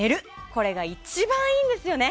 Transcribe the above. これが一番いいんですよね！